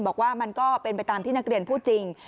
บอกว่ามันก็เป็นไปตามที่นักเรียนพูดจริง